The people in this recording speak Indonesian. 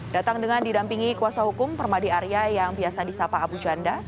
datang dengan didampingi kuasa hukum permadi area yang biasa di sapa abu janda